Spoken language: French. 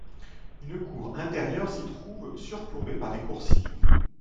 Une cour intérieure s'y trouve surplombée par des coursives.